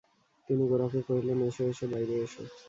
তিনি গোরাকে কহিলেন, এসো, এসো, বাইরে এসো।